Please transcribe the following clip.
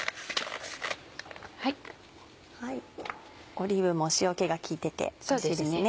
オリーブも塩気が利いてておいしいですね。